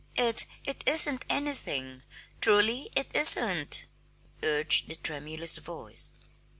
"It it isn't anything; truly it isn't," urged the tremulous voice.